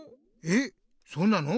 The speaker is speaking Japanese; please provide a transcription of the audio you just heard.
えっそうなの？